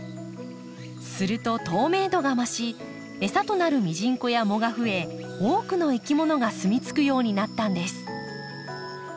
すると透明度が増し餌となるミジンコや藻が増え多くのいきものが住み着くようになったんです。